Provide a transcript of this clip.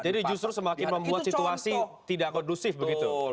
jadi justru semakin membuat situasi tidak kondusif begitu